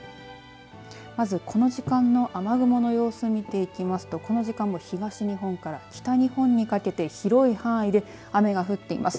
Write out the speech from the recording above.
まず、この時間の雨雲の様子を見ていきますとこの時間東日本から北日本にかけて広い範囲で雨が降っています。